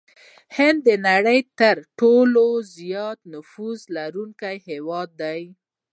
هند د نړۍ ترټولو زيات نفوس لرونکي هېواد دي.